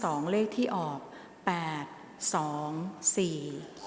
ออกรางวัลเลขหน้า๓ตัวครั้งที่๒